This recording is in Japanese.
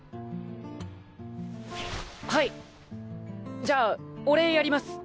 はいじゃあ俺やります。